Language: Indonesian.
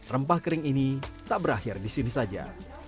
rempah kering ini tak berakhir di sini saja